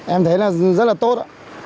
em thấy là rất là tốt